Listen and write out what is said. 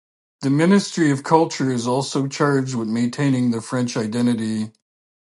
The Ministry of Culture is also charged with maintaining the French identity.